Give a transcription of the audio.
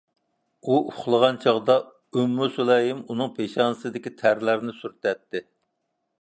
ئۇ ئۇخلىغان چاغدا، ئۇممۇ سۇلەيم ئۇنىڭ پېشانىسىدىكى تەرلەرنى سۈرتەتتى.